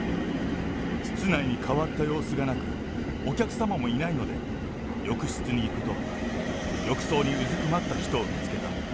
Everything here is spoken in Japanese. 室内に変わった様子がなく、お客様もいないので、浴室に行くと、浴槽にうずくまった人を見つけた。